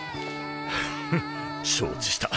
フフッ承知した。